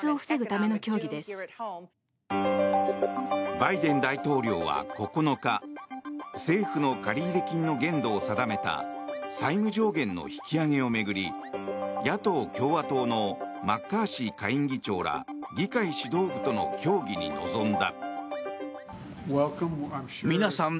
バイデン大統領は９日政府の借入金の限度を定めた債務上限の引き上げを巡り野党・共和党のマッカーシー下院議長ら議会指導部との協議に臨んだ。